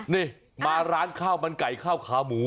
นี่มาร้านข้าวมันไก่ข้าวขาหมู